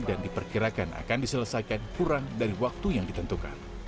dan diperkirakan akan diselesaikan kurang dari waktu yang ditentukan